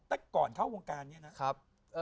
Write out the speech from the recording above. แต่ก่อนเข้าวงการอย่างนี้นะครับ